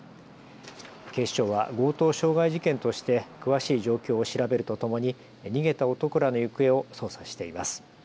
警視庁は強盗傷害事件として詳しい状況を調べるとともに逃げた男らの行方を捜査しています。